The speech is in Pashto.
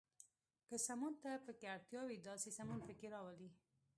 که سمون ته پکې اړتیا وي، داسې سمون پکې راولئ.